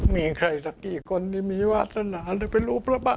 มีใครสักกี่คนที่มีวาสนาหรือเป็นรูปพระบาท